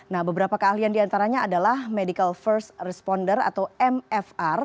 nah beberapa keahlian diantaranya adalah medical first responder atau mfr